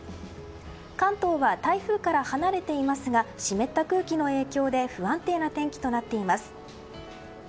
関東は台風から離れていますが湿った空気の影響で不安定な天気となっています。